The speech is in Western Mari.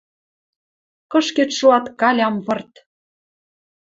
Кышкед шуат Калям вырт